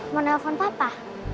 mau telfon papa